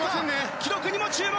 記録にも注目。